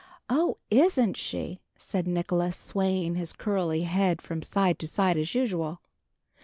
"Oh, isn't she!" said Nicholas, swaying his curly head from side to side as usual.